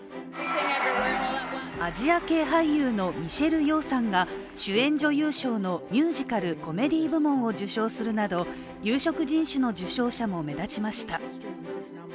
アジア系俳優のミシェル・ヨーさんが主演女優賞のミュージカル・コメディー部門を受賞するなど有色人種の受賞者も目立ちました。